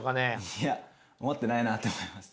いや思ってないなって思います。